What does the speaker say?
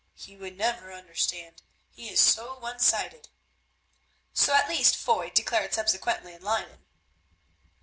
He would never understand, he is so one sided." So at least Foy declared subsequently in Leyden.